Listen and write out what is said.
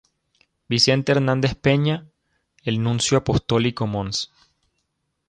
Vicente Hernández Peña, el Nuncio Apostólico Mons.